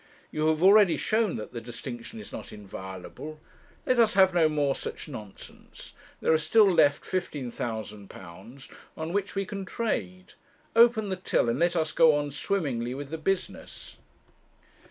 You have already shown that the distinction is not inviolable; let us have no more such nonsense; there are still left £15,000 on which we can trade; open the till, and let us go on swimmingly with the business.'